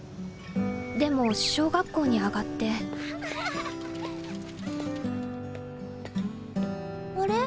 でも小学校にあがってあれ？